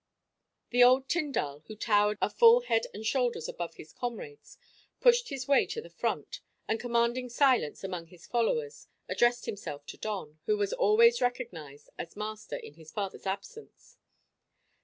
The old tyndal, who towered a full head and shoulders above his comrades, pushed his way to the front, and commanding silence among his followers, addressed himself to Don, who was always recognised as master in his fathers absence.